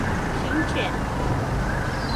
«Шинче!